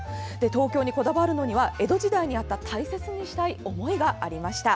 東京にこだわるのには江戸時代にあった大切にしたい思いがありました。